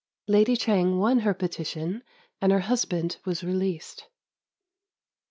[Lady Chang won her petition and her husband was re leased.